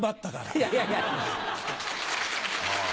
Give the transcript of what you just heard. いやいやいや。